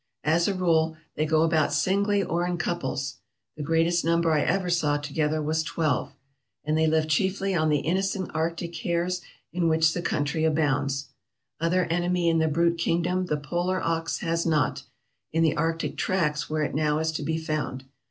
As a rule, they go about singly or in couples (the greatest number I ever saw together was twelve), and they live chiefly on the innocent arctic hares in which the country abounds. Other enemy in the brute kingdom the polar ox has not, in the arctic tracts where it now is to be found.